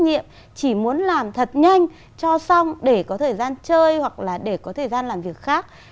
nhiệm chỉ muốn làm thật nhanh cho xong để có thời gian chơi hoặc là để có thời gian làm việc khác